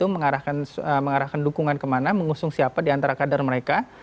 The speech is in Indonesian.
mengarahkan dukungan kemana mengusung siapa di antara kader mereka